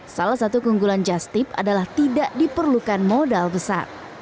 salah satu keunggulan justip adalah tidak diperlukan modal besar